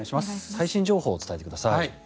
最新情報を伝えてください。